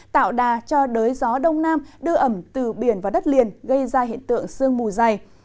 tạo đà cho đới gió đông nam đưa ẩm từ biển và đất liền gây ra hiện tượng sương mù dày